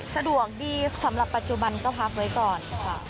สะดวกดีสำหรับปัจจุบันก็พักไว้ก่อนค่ะ